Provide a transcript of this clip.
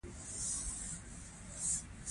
هغه په ډېره اسانۍ جګړه ییز مسایل حلولای شي.